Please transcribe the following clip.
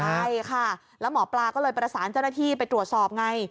ใช่ค่ะแล้วหมอปลาก็เลยประสานเจ้าหน้าที่ไปตรวจสอบไง